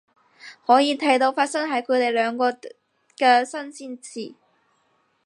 可以睇到發生喺佢哋兩個嘅新鮮事